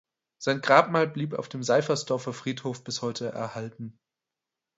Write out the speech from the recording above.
Sein Grabmal blieb auf dem Seifersdorfer Friedhof bis heute erhalten.